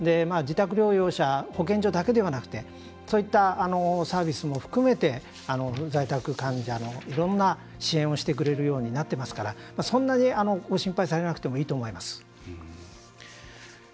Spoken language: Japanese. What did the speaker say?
自宅療養者保健所だけではなくてそういったサービスも含めて在宅患者のいろんな支援をしてくれるようになってますからそんなに、ご心配されなくてもいいと思います。